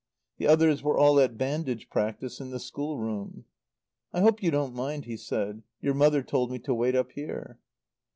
The others were all at bandage practice in the schoolroom. "I hope you don't mind," he said. "Your mother told me to wait up here."